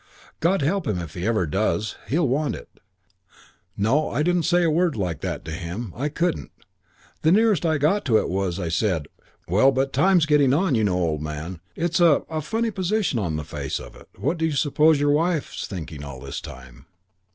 God help him if he ever does.... He'll want it. "No, I didn't say a word like that to him. I couldn't. The nearest I got to it was I said, 'Well, but time's getting on, you know, old man. It's a a funny position on the face of it. What do you suppose your wife's thinking all this time?'